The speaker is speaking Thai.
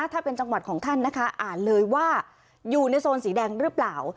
ถ้าเป็นจังหวัดของท่านนะคะอ่านเลยว่าอยู่ในโซนสีแดงหรือเปล่า